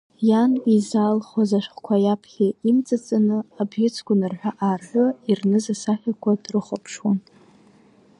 Иан изаалхәаз ашәҟәқәа иаԥхьа имҵаҵаны, абӷьыцқәа нарҳәы-аарҳәуа, ирныз асахьақәа дрыхәаԥшуан.